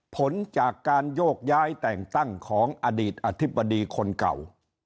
ผลจากการโยกย้ายแต่งตั้งของอดีตอธิบดีคนเก่า